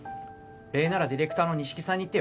礼ならディレクターの西木さんに言ってよ。